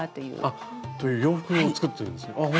あっという洋服を作ってるほんとだ。